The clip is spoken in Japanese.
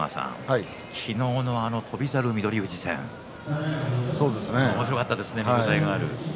昨日の翔猿、翠富士戦おもしろかったですね。